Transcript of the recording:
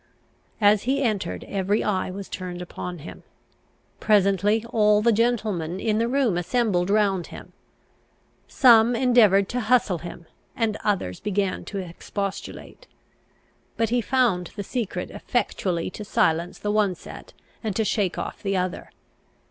As he entered; every eye was turned upon him. Presently all the gentlemen in the room assembled round him. Some endeavoured to hustle him, and others began to expostulate. But he found the secret effectually to silence the one set, and to shake off the other.